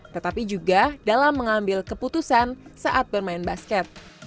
tetapi juga dalam mengambil keputusan saat bermain basket